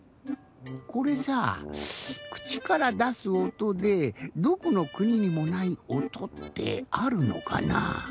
これさぁくちからだすおとでどこのくににもないおとってあるのかなぁ？